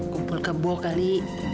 kumpul kebo kali